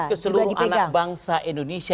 ini menyanggut ke seluruh anak bangsa indonesia